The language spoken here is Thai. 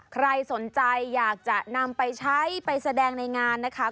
ใครสนใจอยากจะนำไปใช้ไปแสดงในงานนะคะ